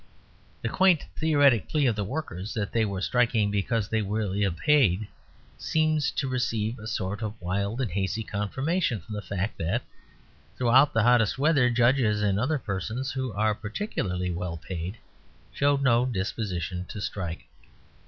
The quaint theoretic plea of the workers, that they were striking because they were ill paid, seems to receive a sort of wild and hazy confirmation from the fact that, throughout the hottest weather, judges and other persons who are particularly well paid showed no disposition to strike.